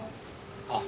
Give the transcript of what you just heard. あっ。